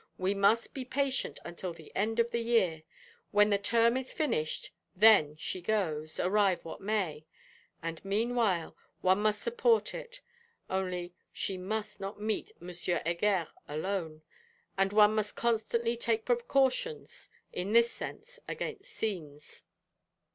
We must be patient until the end of the year, when her term is finished. Then she goes, arrive what may. And, meanwhile, one must support it; only she must not meet M. Heger alone: and one must constantly take precautions, in this sense, against scenes.'